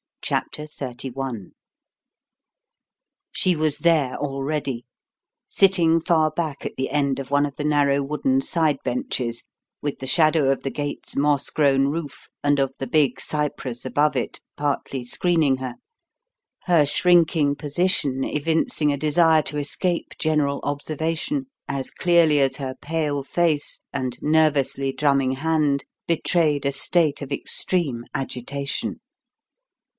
CHAPTER XXXI She was there already; sitting far back at the end of one of the narrow wooden side benches with the shadow of the gate's moss grown roof and of the big cypress above it partly screening her, her shrinking position evincing a desire to escape general observation as clearly as her pale face and nervously drumming hand betrayed a state of extreme agitation.